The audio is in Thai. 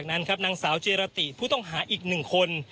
นางสาวเจรติผู้ต้องหาอีก๑คน